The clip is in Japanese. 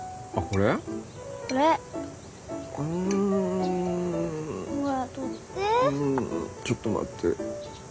うんちょっと待って。